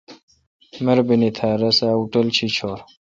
مربینی تھیا رس ا ہوٹل شی چھور۔